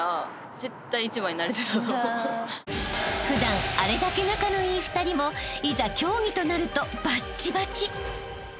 ［普段あれだけ仲のいい２人もいざ競技となるとバッチバチ］